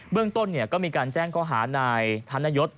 เบื้องต้นก็มีการแจ้งเก๋าหานายธันยศ